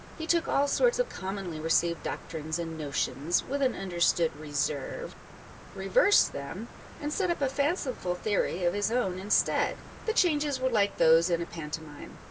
He took all sorts of commonly received doctrines and notions (with an understood reserve) â€" reversed them, and set up a fanciful theory of his own instead. The changes were like those in a pantomime.